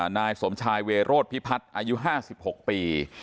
นายสมชายเวโรธพิพัฒน์อายุ๕๖ปี